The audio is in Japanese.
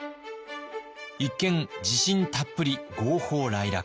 一見自信たっぷり豪放磊落。